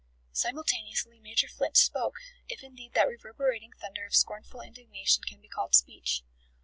Simultaneously Major Flint spoke, if indeed that reverberating thunder of scornful indignation can be called speech.